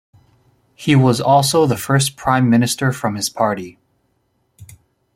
He was also the first prime minister from his party.